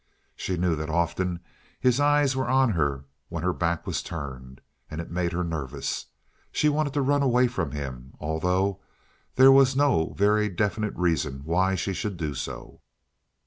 She knew that often his eyes were on her when her back was turned, and it made her nervous. She wanted to run away from him, although there was no very definite reason why she should do so.